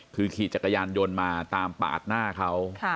คือขี่จักรยานยนต์มาตามปาดหน้าเขา